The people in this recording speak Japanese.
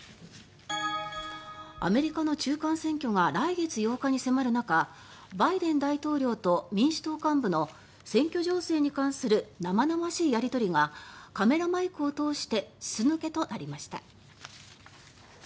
アメリカの中間選挙が来月８日に迫る中バイデン大統領と民主党幹部の選挙情勢に関する生々しいやり取りがカメラマイクを通して筒抜けとなりました。